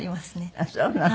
あっそうなの。